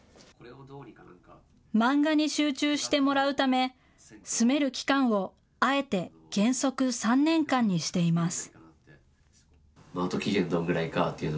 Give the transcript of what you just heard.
漫画に集中してもらうため住める期間をあえて原則３年間にしています。